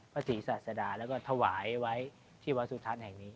พระศรีศาสดาและก็ถวายไว้ที่วัสดิ์ธรรมแห่งนี้